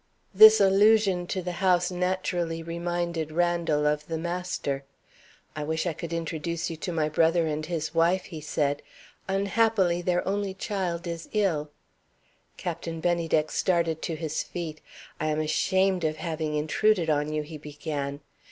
This allusion to the house naturally reminded Randal of the master. "I wish I could introduce you to my brother and his wife," he said. "Unhappily their only child is ill " Captain Bennydeck started to his feet. "I am ashamed of having intruded on you," he began.